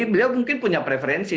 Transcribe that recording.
beliau mungkin punya preferensi